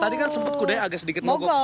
tadi kan sempat kudanya agak sedikit mogok